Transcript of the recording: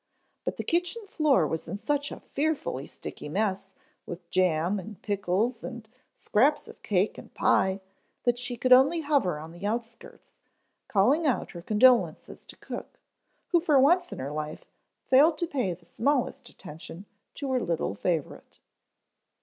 But the kitchen floor was in such a fearfully sticky mess with jam and pickles and scraps of cake and pie that she could only hover on the outskirts, calling out her condolences to cook, who for once in her life failed to pay the smallest attention to her little favorite.